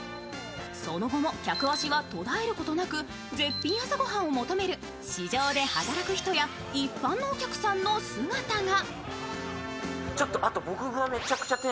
その後も客足は途絶えることなく絶品朝ご飯を求める市場で働く人や一般のお客さんの姿が。